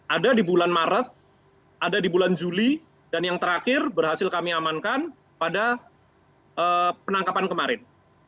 ada di bulan maret ada di bulan juli dan yang terakhir berhasil kami amankan pada penangkapan kemarin